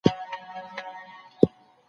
قضيي باید د شواهدو پر بنسټ حل سي.